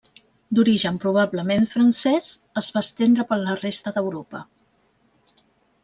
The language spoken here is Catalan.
D'origen probablement francés, es va estendre per la resta d'Europa.